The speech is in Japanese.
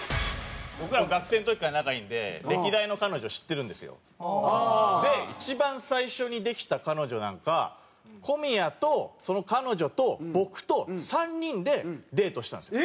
僕らも学生の時から仲いいんでで一番最初にできた彼女なんか小宮とその彼女と僕と３人でデートしたんですよ。